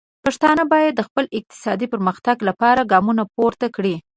پښتانه باید د خپل اقتصادي پرمختګ لپاره ګامونه پورته کړي.